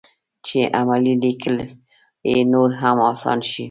چې عملي لیکل یې نور هم اسان شي.